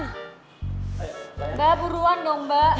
udah buruan dong mbak